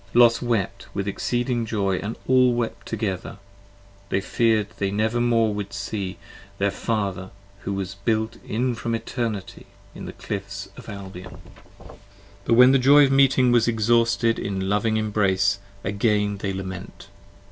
Los wept with exceeding joy & all wept with joy together: They fear'd they never more should see their Father, who 15 Was built in from Eternity, in the Cliffs of Albion. 9 c But when the joy of meeting was exhausted in loving embrace, Again they lament.